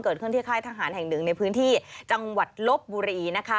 ขึ้นที่ค่ายทหารแห่งหนึ่งในพื้นที่จังหวัดลบบุรีนะคะ